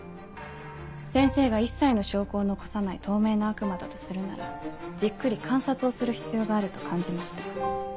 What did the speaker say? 先生が一切の証拠を残さない透明な悪魔だとするならじっくり観察をする必要があると感じました。